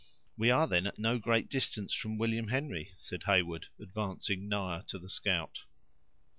"We are, then, at no great distance from William Henry?" said Heyward, advancing nigher to the scout.